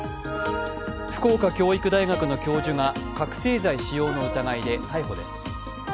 福岡教育大学の教授が覚醒剤使用の疑いで逮捕です。